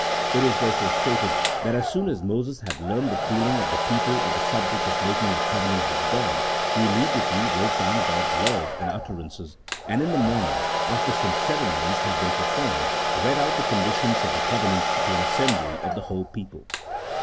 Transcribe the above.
It is there stated that as soon as Moses had learnt the feeling of the people on the subject of making a covenant with God, he immediately wrote down God's laws and utterances, and in the morn ing, after some ceremonies had been performed, read out the conditions of the covenant to an assembly of the whole people.